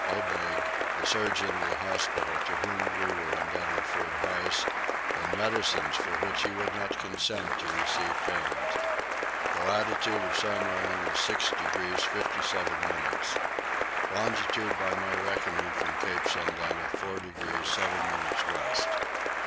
Abegg, the surgeon of the hospital, to whom we were indebted for advice and medicines for which he would not consent to receive payment. The latitude of Samarang is 6 degrees 57 minutes. Longitude by my reckoning from Cape Sandana 4 degrees 7 minutes west.